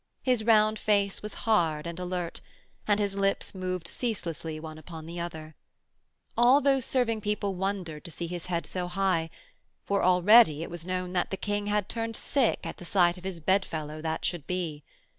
His round face was hard and alert, and his lips moved ceaselessly one upon another. All those serving people wondered to see his head so high, for already it was known that the King had turned sick at the sight of his bedfellow that should be.